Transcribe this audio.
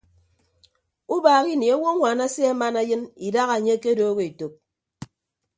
Ubaak ini awonwaan ase aman ayịn idaha anye akedooho etәk.